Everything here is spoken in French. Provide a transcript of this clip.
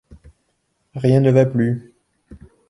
Rien ne va plus...